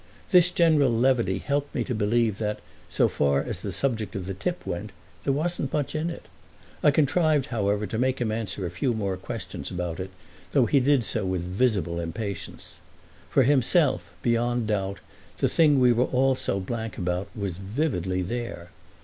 This general levity helped me to believe that, so far as the subject of the tip went, there wasn't much in it. I contrived however to make him answer a few more questions about it, though he did so with visible impatience. For himself, beyond doubt, the thing we were all so blank about was vividly there.